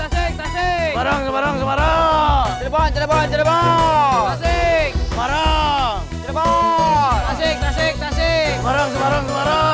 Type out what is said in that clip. semarang semarang semarang